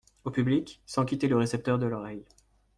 Au public, sans quitter le récepteur de l’oreille.